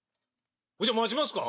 じゃ待ちますか？